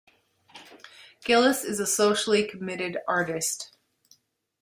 Gillis is a socially committed artist.